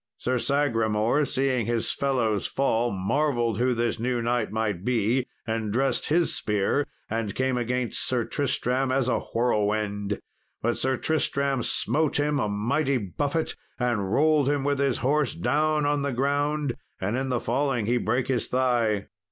Sir Sagramour, seeing his fellow's fall, marvelled who this new knight might be, and dressed his spear, and came against Sir Tristram as a whirlwind; but Sir Tristram smote him a mighty buffet, and rolled him with his horse down on the ground; and in the falling he brake his thigh.